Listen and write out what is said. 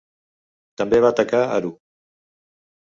També va atacar Aru.